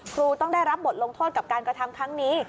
ครูต้องได้รับบทลงโทษกับการกระทำครั้งนี้